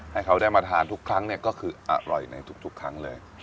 ให้เขาได้มาทานทุกครั้งก็คืออร่อยในทุกครั้งเลย